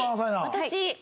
私。